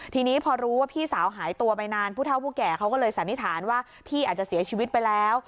ทีนี้พอรู้ว่าพี่สาวหายตัวไปนานผู้เท่าผู้แก่เขาก็เลยสันนิษฐานว่าพี่อาจจะเสียชีวิตไปแล้ว